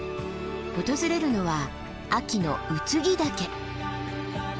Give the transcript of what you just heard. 訪れるのは秋の空木岳。